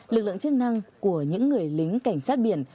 lực lượng chức năng của những người lính cảnh sát biển